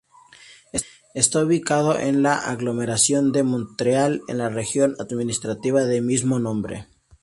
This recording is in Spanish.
Está ubicado en la aglomeración de Montreal en la región administrativa de mismo nombre.